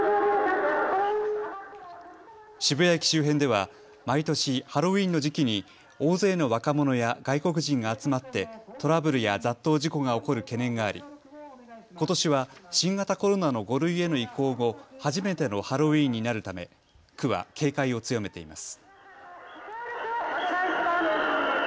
渋谷駅周辺では毎年ハロウィーンの時期に大勢の若者や外国人が集まってトラブルや雑踏事故が起こる懸念がありことしは新型コロナの５類への移行後初めてのハロウィーンになるため区は警戒を強めています。